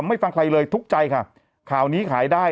ฟังใครเลยทุกข์ใจค่ะข่าวนี้ขายได้